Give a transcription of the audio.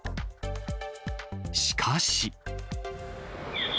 しかし。